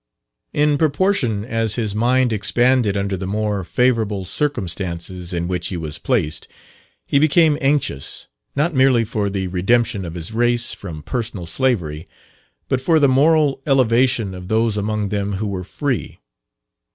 In proportion as his mind expanded under the more favourable circumstances in which he was placed, he became anxious, not merely for the redemption of his race from personal slavery, but for the moral elevation of those among them who were free.